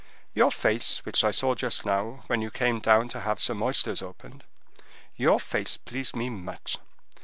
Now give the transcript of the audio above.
Your face, which I saw just now, when you came down to have some oysters opened,—your face pleased me much.